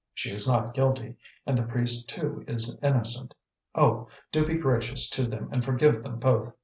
She is not guilty; and the priest, too, is innocent. Oh! do be gracious to them and forgive them both!